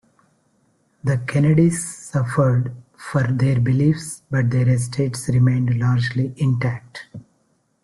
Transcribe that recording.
The Kennedys suffered for their beliefs but their estates remained largely intact.